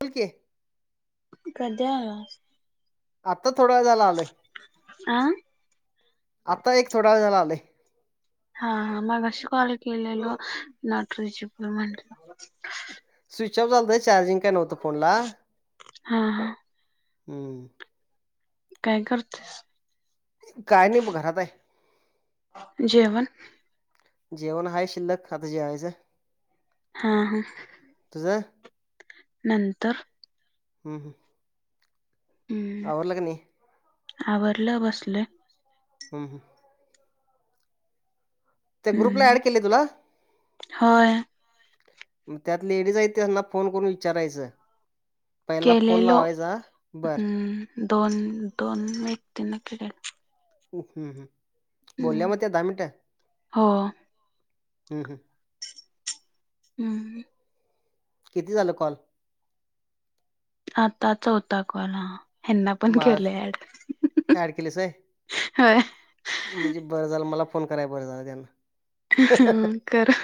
बोल की कधी आलास? आता थोडा वेळ झाला आलोय....... आ आता एक थोडा वेळ झाला आलोय हा मगशी कॉल केलेल नटरीची प म्हेंट स्विच ऑफ झालेल चार्जिंग काय नव्हतं फोनला हा हा हम्म काय करतीस? काय नाहीबघ घरात आहे जेवण जेवण आहे शिल्लक आता जेवायचं. हा- हा तुझं नंतर हम्- हम आवरलं की नाही आवरडलं बसले. हम्म, हम्म त्या ग्रुपला हम्म ऍड केले तुला? होय मग त्यात लेडीज आहेत ते त्यांना फोन करून विचारायचं. पहिला फोन केलेलो लावायचा बरं हम्म दोन -दोन व्यक्तींना केलेले. बोलल्या हम्म मग त्या दहा मिनटं. हो हम्म. किती झालं कॉल? आत्ता ताच चौथा कॉल हा. यांना पण माझ केले ऍड ऍड केलेस आहे होय. म्हणजे बरं झालं मला फोन कराय बरं झालं त्यांना ह करा.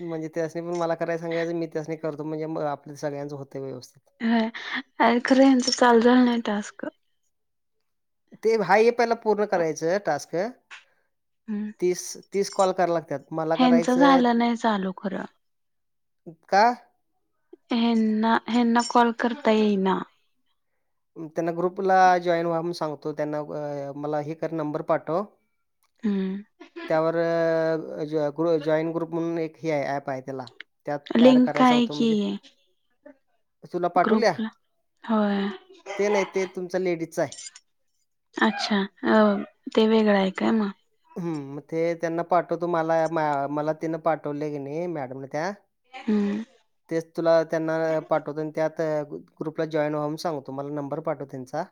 म्हणजे त्यासने पण मला कराय सांगायचं मी त्यासने करतो म्हणजे आपल्या सगळ्यांचं होतय व्यवस्थित, ह अ खरं ह्याचं चालू झालं नाही टास्क. ते हाय हे पहिला पूर्ण करायचं टास्क हम्म तीस तीस कॉल कराय लागतात मला ह्यांचं करायचं, झालं नाही चालु चालू खरं का? ह्यांना ह्यांना कॉल करता येईना, त्यांना ग्रुपला जॉईन व्हा म्हण सांगतो त्यांना मला हे कर नंबर पाठव हम्म त्यावर जॉईट ग्रुप म्हणून एक हे आहे ऍप आहे त्याला त्यात ऍड लिंक कराय आहे सांगतो की म्हणजे तुला पाठवल्या ग्रुपला होय. ते नाही ते तुमच्या लेडीजच आहे. अच्छा अ ते वेगळां आहे काय मग? हम् ते त्यांना पाठवतो मला मला तिन पाठवले कणी मॅडमन त्या हम्म. तेच तुला त्यांना पाठवतो आणि त्यात ग्रुपला जॉईन व्हा म्हणून सांगतो मला नंबर पाठव त्यांचा.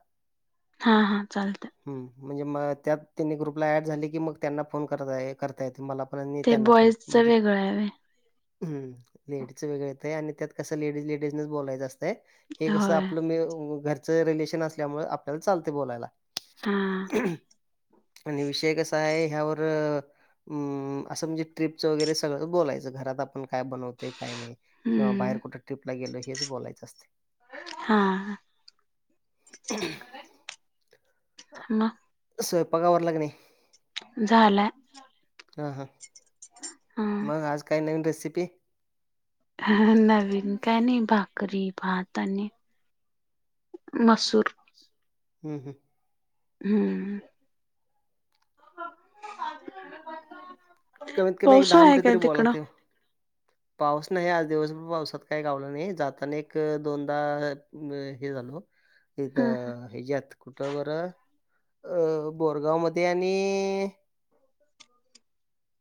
हा हा चालतं. ह म्हणजे म त्यात तिन्ही ग्रुपला ऍड झाली की मग त्यांना फोन करता करता येते मला पण आणि ते बॉईजच वेगळं आहे होय? हम्. लेडीजच वेगळ येतय आणि त्यात कसं लेडीज लेडीजनच बोलायचं अस तय, हे कसं होय आपलं घरचं रिलेशन असल्यामुळे आपल्याला चालतय बोलायला. हा आणि विषय कस य ह्यावर असं म्हणजे ट्रिपच वैगेरे सगळं बोलायच, घरात आपण काय बनवतोय काय नाही किंवा हम्म बाहेर कुठे ट्रिपला गेलो हेच बोलायचं असतय. हा. [unintelligible] ह मग स्वयंपांक आवरला का नाही? झालाय. हा हा. [unintelligible] मग, आज काही नवीन रेसिपी? ह नवीन काय नाही भाकरी, भात आणि मसूर. हम् हम. हम्म. [unintelligible] कमीत कमी एक पाऊस दहा आहे मिनटं काय तरी बोलाय तिकडं लागतय. पाऊस नाही आज दिवसभर पावसात काय गावलं नाही जाताना एक दोनदा अ हे झालं तेथ हम्म हेच्यात कुठं बरं अ बोरगाव मध्ये आणि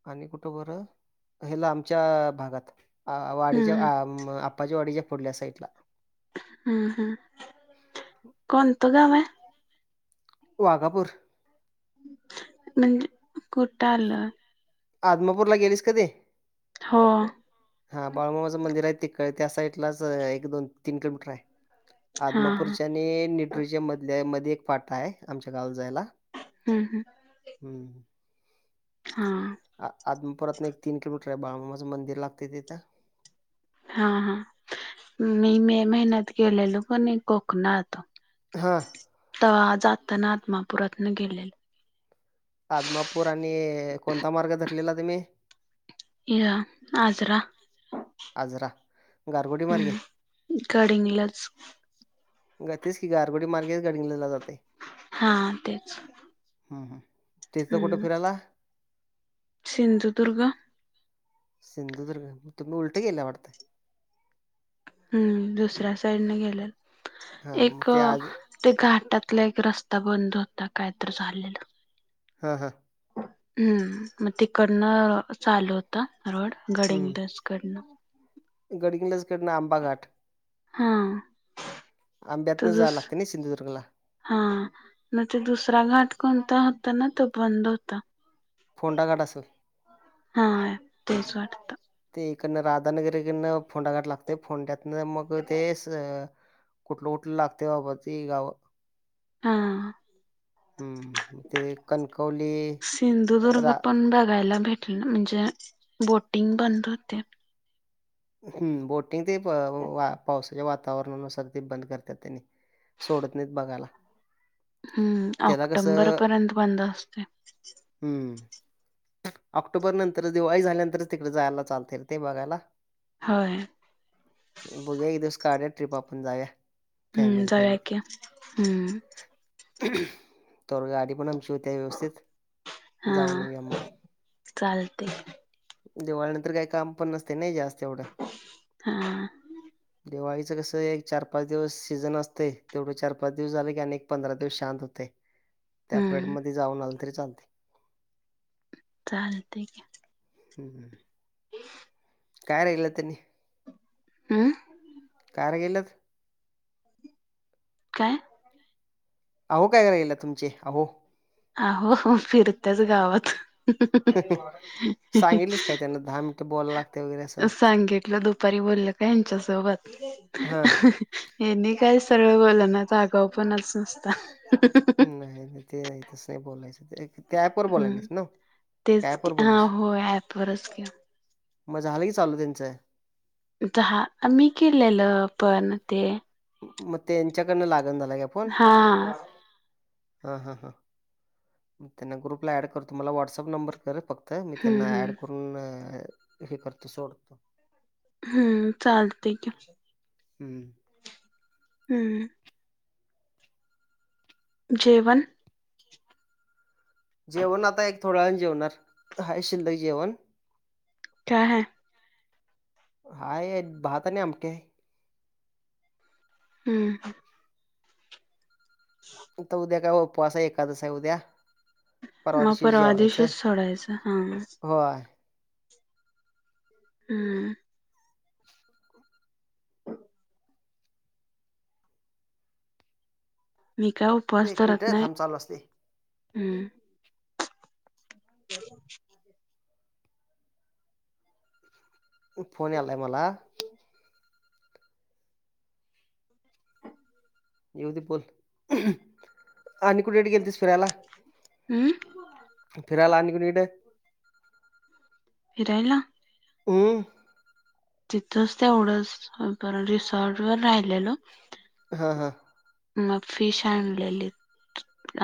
आणि कुठं बरं हेला आमच्या भागात अ वाडीच्या हम्म आप्पाच्या वाडीच्या पुढल्या साईडला हम्म हम्म. कोणत गाव आहे? वाघापूर. म्हणजे कुठ आलं? आदमापूरला गेलीस कधी? हो हा बाळूमामाचं मंदिर आहे तिकड त्या साईड लाच एक दोन तीन किलोमीटर आहे. हा हा आदमापूरच्या आणि न्यूट्रीजीअम मधल्या मध्ये एक फाटा आहे आमच्या गाव जायला. हम्म हम्म हम्म हा आ आदमापूरातून एक तीन किलोमीटर आहे बाळूमामाचं मंदिर लागते तिथ हा हा मी मे महीन्यात गेलेलो का नाही कोकणात हा तवा जाताना आदमापुरातन गेलेलं. आदमापूर आणि कोणता मार्ग झरलेला तुम्ही? या आदरा. आजरा. गारगोटी मार्गे? हम्म गडिंगलाच. ग तेच की गारगोडी मार्गेच [unintelligible] जाते. हा तेच हम्म हम्म हम्म सिंधुदुर्ग सिंधुदुर्ग तुम्ही उलटे गेला वाटतय हम्म दुसऱ्या साईडने गेलेल हां, मग एक ते आज ते घाटातला एक रस्ता बंद होता कायतर झालेल. हा हा हम्म मग तिकडनं चालू होता रोड गडिंगदज कडनं. गडींगलंच कडनं आंबा घाट. हा त आंब्यातं जा दुस लागते नी सिंधुदुर्गला. हा न ते दुसरा घाट कोणता होता ना तो बंद होता. फोंडा घाट असल. हा तेच वाटतं. ते इकडनं राधानगर इकडनं फोंडा घाठ लागते फोंड्यातन मग तेस कुठलं कुठलं लागते बाबा ते गाव. हा हम्म हम्म ते कणकवली सिंधुदुर्ग रा पण बघायला भेटलं म्हणजे बोटिंग बंद होती. हम्म बोटिंग ते पावसाच्या वातावरणानुसार ते बंद करतात आणि सोडत नाहीत बघायला. हम्म त्याला ऑक्टोंबर कसं पर्यंत बंद असते. हम्म ऑक्टोबर नंतरच दिवाळी झाल्यानंतरच तिकडे जायला चालतंय रे ते बघायला. होय बघूया एक दिवस काढूया ट्रीप आपण जाऊया. हम्म फॅमिली जाऊया की हम्म फॅमली तो वर गाडी पण आम ची होतीया व्यवस्थित हा जाऊन येऊया मग. चालते. दिवाळी नंतर काय काम पण नसतय नयी जास्त एवढं. हा दिवाळीचं कसं एक चार -पाच दिवस सीझन असतय, तेवढं चार -पाच दिवस झाल की आणि एक पंधरा दिवस शांत होत. त्या प्रेड हम्म मध्ये जाऊन आलं तरी चालतय. चालतय की. हम्म. [unintelligible] काय राहील तनी? हंमं. का र गेल्यात? काय? अहो, काय कराय गेल्यात तुमचे, अहो? आहो, फिरतच गावात. सांगितलीस काय त्यांना दहा मिनिटं बोलायला लागते वगैरे असं सांगितलं दुप पररी बोलल काय यांच्या सोबत. हां. हेनी काय सरळ बोलानात, आगाऊपणाच नुसता. नाही, नाही ते तसं नाही बोलायचं. ते त्या अँप वर बोलाय हम्म नाहीस नवं, काय तेच अँप की वर हा बोललीस? होय ऍपवरच की म झालं की चालू तेंच. दहा आम्ही केलेलं पण ते म त्येच्याकडनं लागण झालाय काय फोन? हा. हां, हां, हां मग त्यांना ग्रुपला ॲड करतो. मला व्हॉट्सअप नंबर कर फक्त मी हम्म त्यांना ऍड हम्म करून, हे करतो सोडतो. हम्म, चालतय की. हम्म. हम्म. जेवण? जेवण आता एक थोड्या वेळान जेवणार, हाय शिल्लक जेवण. काय हाय? हाय यात भात आणि आमटी हाय. हम्म, हम. [unintelligible] तर उद्या काय उपवास हाय. एकादस हाय उद्या. परवा मग दिवशी जेवायचं. दिवशीच सोडायचं हा होय. हम्. मी काय उपवास एक मिनिट धरत नाही, थांब चालू असतंय. हम्म. [unintelligible] फोन यायलाय मला. येऊदे बोल, आणि कुणीकडं गेलतीस फीरायला? अंमं. फिरायला आणि कुणीकडं? फिरायला? हंमं. तिथच तेवढंच, परत रिसॉर्टवर राहिलेलो. हा हा. मग फिश आणलेली.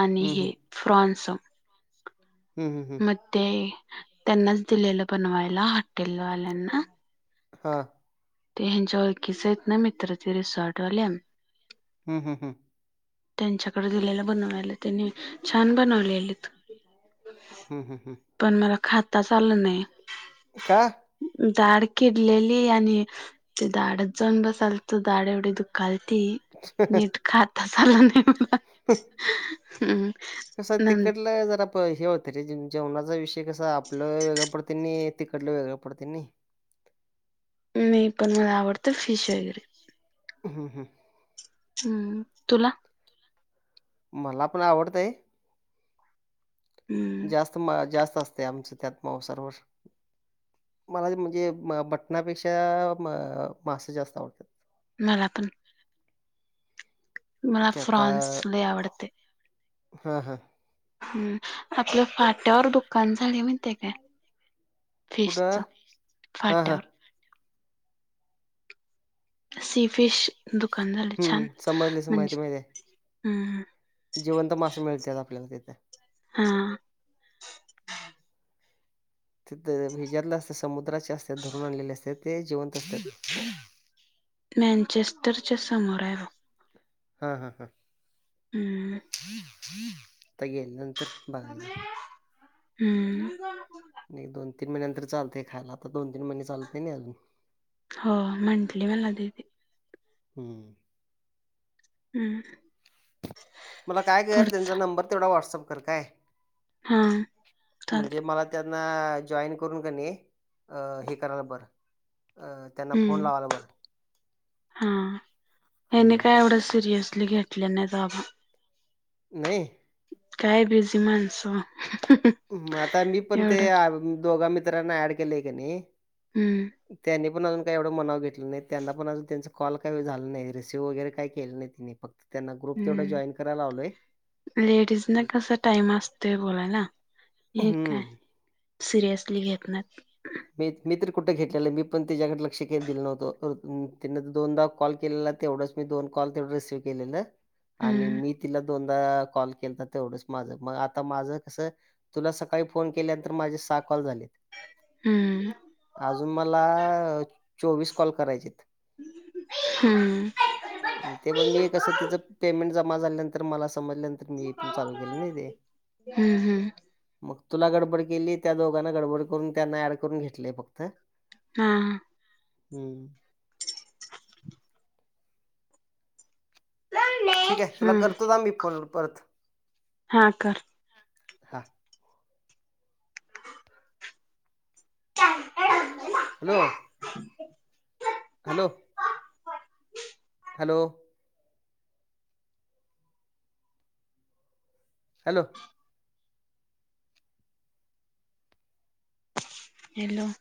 आणि हं हं. हे फ्रॉन्स. हम ह. मग ते त्यांनाच दिलेलं बनवायला हॉटेल वाल्यांना. हा. ते यांच्या ओळखीचे आहेत ना. मित्र ते, रिसॉर्ट वाल्यान. हम् हम हं. त्यांच्याकडे दिलेलं बनवायला. त्यांनी छान बनवलेलीत. हम् हम हम्. पण मला खाताच आलं नाही. का? दाढ कीडलेली आणि ते दाढत जाऊन बसालत. दाढ एवढी दुखालती. नीट खाताच आलं नाही. [unintelligible] हम्मम. कसं तिकडला जरा प हे होतं रे. जेवणाचा विषय कसा आपलं वेगळ पडतय नी. तिकडल वेगळं पडते नाही. मी पण मला आवडतं फिश वगैरे. हम हम. हम्म. तुला? मला पण आवडतंय. हम्म जास्त मा जास्त असतय. आमचं त्यात मावसारं वर. मला म्हणजे मटनापेक्षा, म मासे जास्त आवडतात. मला पण. मला ते आता फ्रॉन्स लय आवडते हां हां. हम. आपल फाट्यावर दुकान झालय माहित आहे काय? कुठं? फिशच हां, हां. फाट्यावर सी फिश दुकान झालय हं. छान. समजले सम- म्हणजे, माहिती माहिती आहे. हम. जिवंत मास मिळतात आपल्याला तिथे. हा. तिथं हेज्यातलं असत्यात समुद्राचे असत्यात धरून आणलेले असत्यात. ते जिवंत असत्यात. मॅचेस्टरच्या समोर आहे बघ. हा हा हा हम्म आता गेल्यानंतर बघायचं. हम्म. नाही दोन तीन महिन्यांतर चालंतय खायला आता दोन तीन महिने चालत नाही अजून. हो. म्हटली मला दिदी. हम्म. हम्म. मला काय कर. त्यांचा पुढचा नंबर तेवढा व्हॉटसअप कर काय. हा म्हणजे चालत मला, त्यांना जॉईन करून कणी हे करायला बरं. अ. त्यांना फोन हम. लावायला बरं. हा हेनी हम्म. काय एवढं सिरियसली घेत ल्याने बाबा. नाही. काय बीजी माणस. आता मी पण ते दोघा मित्रांना ऍड केलेय का नाही हम्म त्यांनी पण अजून एवढं मनाव घेतलं नाही त्यांना पण अजून त्यांच कॉल काही झालं नाही रिसिव्ह वगैरे काही केलं नाही तिने फक्त त्यांना ग्रुप तेवढा हम्म जॉईन करायला लावलोय लेडीज न कसा टाइम असतोय बोला ना हे हम्म. काय सिरियसली घेत नाइत मी, मी तर कुठं घेतलेलं आहे मी पण त्याच्याकडे लक्ष घेत दिलं नव्हतं त्यांं दोनदा कॉल केलेला तेवढाच मी दोन कॉल तेवढ रिसीव केलेलं आणि हम्म मी तिला दोन कॉल के तर तेवढंच माझं मग आता माझं कसं तुला सकाळी फोन केल्यानंतर माझे सहा कॉल झालेत हम्म अजून मला चोवीस कॉल करायचे हम्म ते पण मी कसं तिचं पेमेंट जमा झाल्यानंतर मला समजल्यानं तर मी पण चालू केलं नाही ते हम्म हम्म मग तुला गडबड केली त्या दोघांना गडबड करून त्यांना ऍड करून घेतलय फक्त हा [unintelligible] [inaudible] ठीक आहे तुला हम्म करतो जा मी फोन परत हा कर हां. [unintelligible] Hello hello hello hello hello